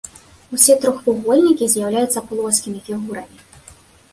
Усе трохвугольнікі з'яўляюцца плоскімі фігурамі.